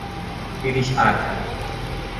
Irish Acad.